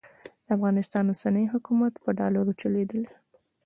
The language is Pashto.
د افغانستان اوسنی حکومت په ډالرو چلېدلی.